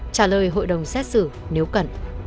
trả lời hội đồng xét xử nếu cần